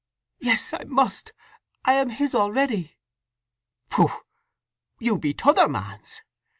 "Yes I must—I am his already!" "Pshoo! You be t' other man's.